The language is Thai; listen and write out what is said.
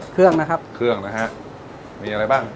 เครื่องนะครับเครื่องนะฮะมีอะไรบ้าง